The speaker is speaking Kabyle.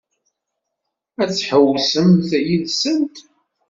Ad tḥewwsemt yid-sent?